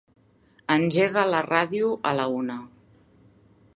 Engega la ràdio a la una.